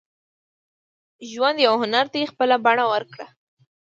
• ژوند یو هنر دی، خپله بڼه ورکړه.